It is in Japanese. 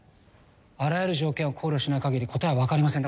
あらゆる条件を考慮しないかぎり答えは分かりません。